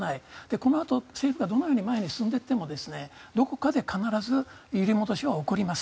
このあと政府がどのように前に進んでいってもどこかで必ず揺り戻しは起こります。